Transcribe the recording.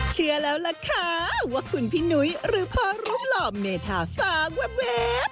เชื่อแล้วล่ะค่ะว่าคุณพี่หนุ้ยหรือพ่อรุ่งหล่อเมธาฟ้าแว๊บ